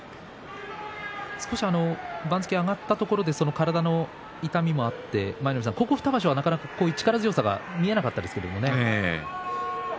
少し番付が上がったところで体の痛みもあってここ２場所は、なかなかこういう力強さが見えなかったですけれどね。